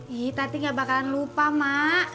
ih tadi gak bakalan lupa mak